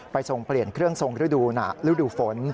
ไปส่งเปลี่ยนเครื่องทรงฤดูหนาฤดูฝน